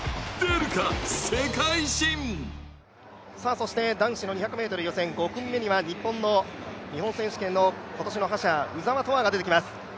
そして男子の２００ｍ予選、５組目には日本の日本選手権の今年の覇者、鵜澤飛羽が出てきます。